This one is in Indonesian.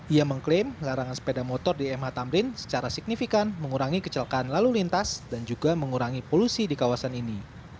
ia mengklaim larangan sepeda motor di mh tamrin secara signifikan mengurangi kecelakaan lalu lintas dan juga mengurangi polusi di kawasan ini